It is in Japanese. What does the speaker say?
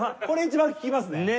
これ一番聴きますね。